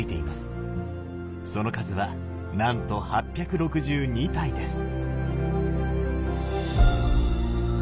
その数はなんと８６２体です。